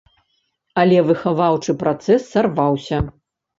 Але выхаваўчы працэс сарваўся.